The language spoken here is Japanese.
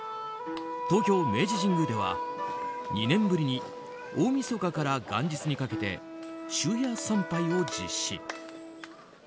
東京・明治神宮では２年ぶりに大みそかから元日にかけて終夜参拝を実施。